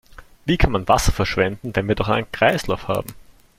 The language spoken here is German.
Wie kann man Wasser verschwenden, wenn wir doch einen Kreislauf haben?